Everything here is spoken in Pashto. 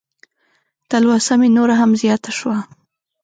تلوسه مې نوره هم زیاته شوه.